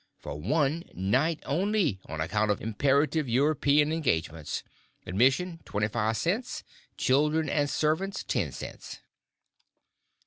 For One Night Only, On account of imperative European engagements! Admission 25 cents; children and servants, 10 cents.